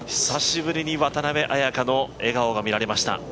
久しぶりに渡邉彩香の笑顔が見られました。